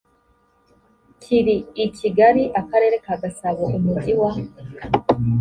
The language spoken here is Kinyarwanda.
kiri i kigali akarere ka gasabo umujyi wa